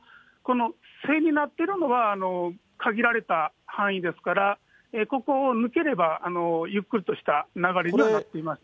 せになってるのは、限られた範囲ですから、ここを抜ければ、ゆっくりとした流れにはなっていますね。